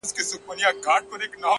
ما خو دا ټوله شپه؛